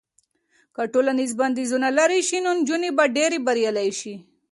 که ټولنیز بندیزونه لرې شي نو نجونې به لا ډېرې بریالۍ شي.